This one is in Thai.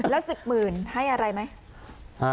แล้ว๑๐หมื่นให้อะไรไหม